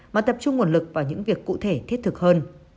mà tập trung nguồn lực vào những việc cụ thể thiết thực hơn